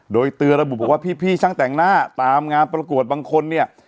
โดยเตือนระบุบอกว่าพี่ช่างแต่งหน้าตามงานประกวดบางคนเนี่ย